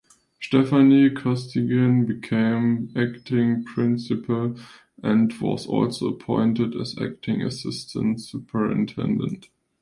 Stephanie Costigan became acting principal and was also appointed as acting assistant superintendent.